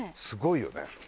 すごいよね。